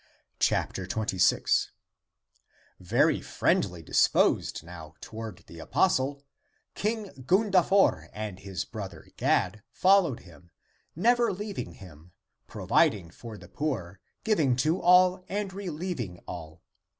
26. Very friendly disposed now toward the apostle, King Gundafor and his brother Gad fol lowed him, never leaving him, providing for the poor, giving to all, and relieving all.